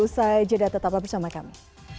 usai jadi tetap bersama kami